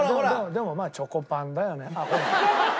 でもまあチョコパンだよね。